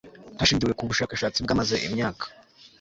hashingiwe kubushakashatsi bwamaze imyaka